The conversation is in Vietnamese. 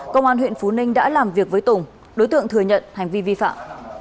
công an huyện phú ninh đã làm việc với tùng đối tượng thừa nhận hành vi vi phạm